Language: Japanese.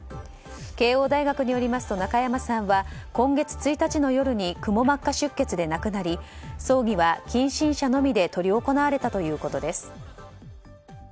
慶應大学によりますと中山さんは今月１日の夜にくも膜下出血で亡くなり葬儀は近親者のみで執り行われたということです。